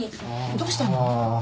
どうしたの？